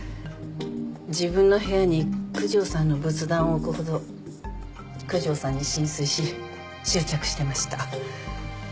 自分の部屋に九条さんの仏壇を置くほど九条さんに心酔し執着してました。